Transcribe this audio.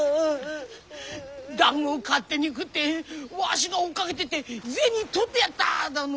だんごを勝手に食ってわしが追っかけてって銭取ってやった！だの。